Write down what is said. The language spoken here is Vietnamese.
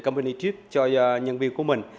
company trip cho nhân viên của mình